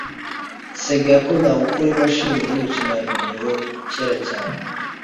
Sega yakundaga gukora imashini yimikino ya videwo kera cyane.